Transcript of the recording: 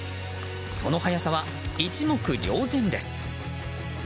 その速さは一目瞭然です。